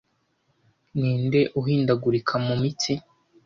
ninde uhindagurika mu mitsi